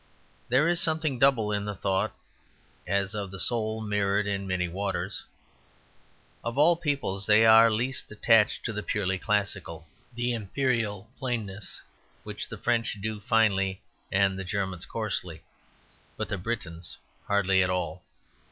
There is something double in the thoughts as of the soul mirrored in many waters. Of all peoples they are least attached to the purely classical; the imperial plainness which the French do finely and the Germans coarsely, but the Britons hardly at all.